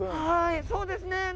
はいそうですね。